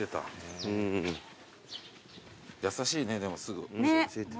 優しいねでもすぐ。